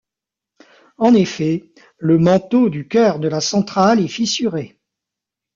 En effet, le manteau du cœur de la centrale est fissuré.